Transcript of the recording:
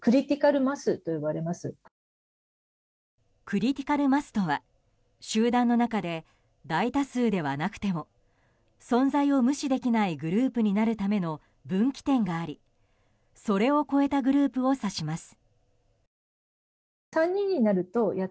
クリティカル・マスとは集団の中で大多数ではなくても存在を無視できないグループになるための分岐点がありそれを超えたグループを指します。